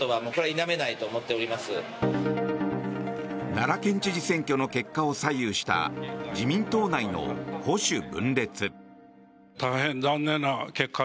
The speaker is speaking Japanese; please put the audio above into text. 奈良県知事選挙の結果を左右した自民党内の保守分裂。